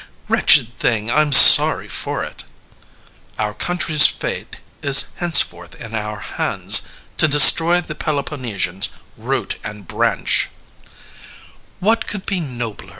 Wretched thing, I'm sorry for it. LYSISTRATA Our country's fate is henceforth in our hands: To destroy the Peloponnesians root and branch CALONICE What could be nobler!